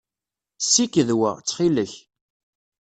Ssiked wa, ttxil-k.